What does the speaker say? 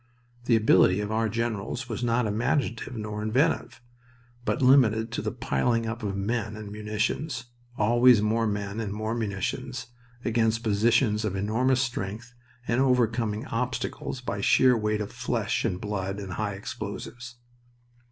The ability of our generals was not imaginative nor inventive, but limited to the piling up of men and munitions, always more men and more munitions, against positions of enormous strength and overcoming obstacles by sheer weight of flesh and blood and high explosives.